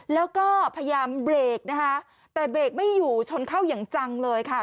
แล้วก็พยายามเบรกนะคะแต่เบรกไม่อยู่ชนเข้าอย่างจังเลยค่ะ